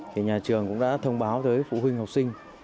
thì nhà trường cũng đã thông báo tới phụ huynh học sinh